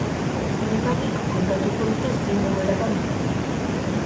Bietatik kontatuko dute zein egoeratan dauden.